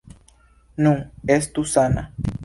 Nu, estu sana.